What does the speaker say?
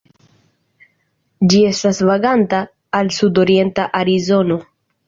Ĝi estas vaganta al sudorienta Arizono.